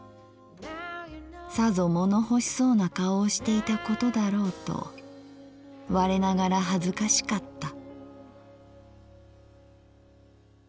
さぞもの欲しそうな顔をしていたことだろうとわれながら恥ずかしかった」。